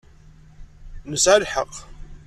Nesɛa lḥeqq.